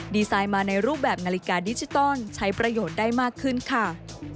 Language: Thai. ดีไซน์มาในรูปแบบนาฬิกาดิจิตอลใช้ประโยชน์ได้มากขึ้นค่ะ